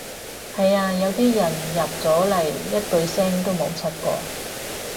係呀，有啲人入咗嚟一句聲都冇出過